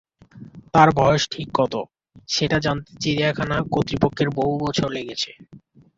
তার বয়স ঠিক কত, সেটা জানতে চিড়িয়াখানা কর্তৃপক্ষের বহু বছর লেগেছে।